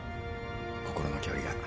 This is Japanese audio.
心の距離が。